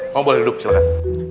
kamu boleh duduk silahkan